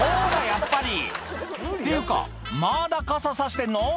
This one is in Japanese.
やっぱりっていうかまだ傘差してんの？